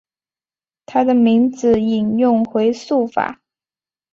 他的名字引用自回溯法。